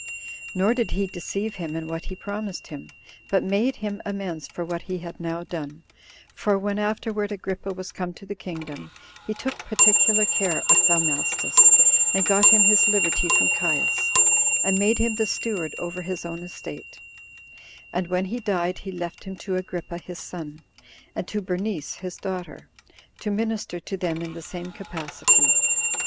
Nor did he deceive him in what he promised him, but made him amends for what he had now done; for when afterward Agrippa was come to the kingdom, he took particular care of Thaumastus, and got him his liberty from Caius, and made him the steward over his own estate; and when he died, he left him to Agrippa his son, and to Bernice his daughter, to minister to them in the same capacity.